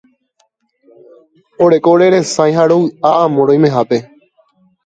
Oréko oreresãi ha rovy'a amo roimehápe.